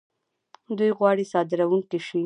دوی غواړي صادرونکي شي.